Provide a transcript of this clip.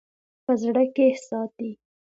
په زړه کښې ساتي--